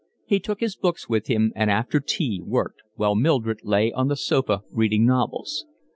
He took his books with him and after tea worked, while Mildred lay on the sofa reading novels.